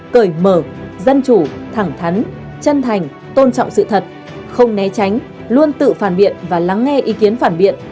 cởi mở dân chủ thẳng thắn chân thành tôn trọng sự thật không né tránh luôn tự phản biện và lắng nghe ý kiến phản biện